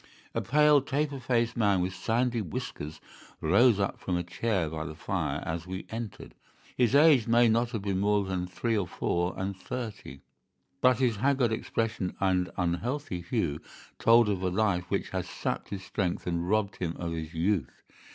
A pale, taper faced man with sandy whiskers rose up from a chair by the fire as we entered. His age may not have been more than three or four and thirty, but his haggard expression and unhealthy hue told of a life which has sapped his strength and robbed him of his youth.